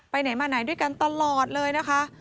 ไหนมาไหนด้วยกันตลอดเลยนะคะ